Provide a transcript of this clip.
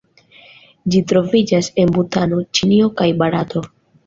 Ĝi troviĝas en Butano, Ĉinio kaj Barato.